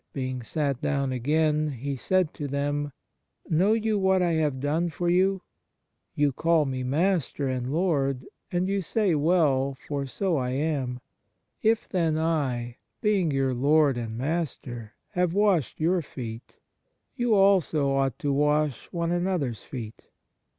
. being sat down again, He said to them: Know you what I have done to you ? You call Me Master and Lord ; and you say well, for so I am. If then I, being your Lord and Master, have washed your feet, you also ought to wash one another s feet."